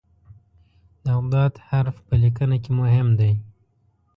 د "ض" حرف په لیکنه کې مهم دی.